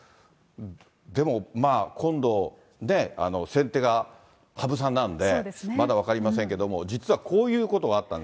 でも、まあ今度、先手が羽生さんなんで、まだ分かりませんけども、実はこういうことがあったんです。